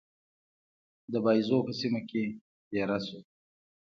د باییزو په سیمه کې دېره شو.